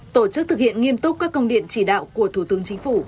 tổ chức thực hiện nghiêm túc các công điện chỉ đạo của thủ tướng chính phủ